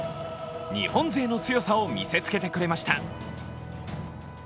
日本勢の強さを見せつけてくれました。